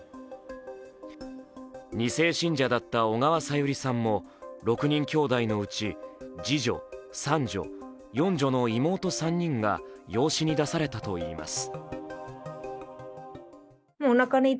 ２世信者だった小川さゆりさんも６人兄妹のうち、次女、三女、四女の妹３人が養子に出されたといいます。